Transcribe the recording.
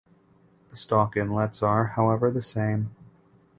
The stock inlets are however the same.